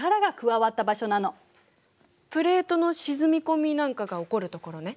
プレートの沈み込みなんかが起こるところね。